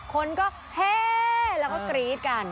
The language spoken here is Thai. คนก็เฮ่แล้วก็กรี๊ดกัน